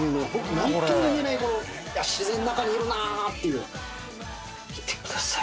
何ともいえないこの自然の中にいるなっていう見てください